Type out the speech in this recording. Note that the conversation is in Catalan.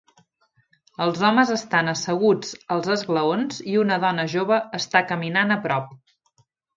Els homes estan asseguts als esglaons i una dona jove està caminant a prop.